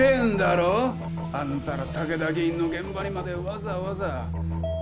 あんたら武田議員の現場にまでわざわざ。